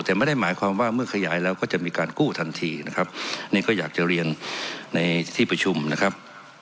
แต่ไม่ได้หมายความว่าเมื่อขยายแล้วก็จะมีการกู้ทันทีนะครับนี่ก็อยากจะเรียนในที่ประชุมนะครับ